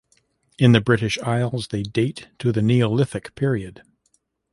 In the British Isles they date to the Neolithic period.